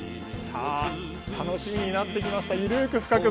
楽しみになってきました「ゆるく深く！